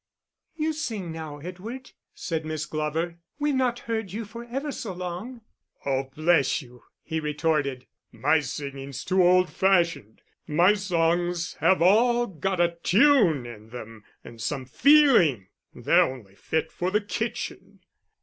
"You sing now, Edward," said Miss Glover; "we've not heard you for ever so long." "Oh, bless you," he retorted, "my singing's too old fashioned. My songs have all got a tune in them and some feeling they're only fit for the kitchen."